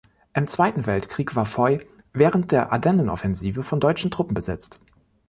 Im Zweiten Weltkrieg war Foy während der Ardennenoffensive von deutschen Truppen besetzt.